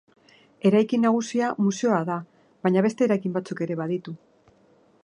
Eraikin nagusia museoa da baina beste eraikin batzuk ere baditu.